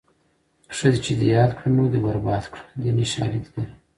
ښه چې دې یاد کړه نو دې برباد کړه دیني شالید لري